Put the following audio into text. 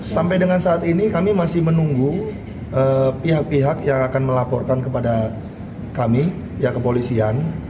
sampai dengan saat ini kami masih menunggu pihak pihak yang akan melaporkan kepada kami pihak kepolisian